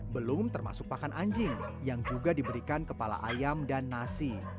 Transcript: belum termasuk pakan anjing yang juga diberikan kepala ayam dan nasi